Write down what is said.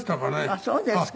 あっそうですか。